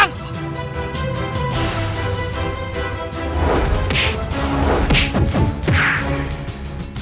akan coach yang memimpiku